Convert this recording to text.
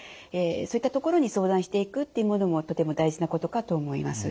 そういったところに相談していくっていうものもとても大事なことかと思います。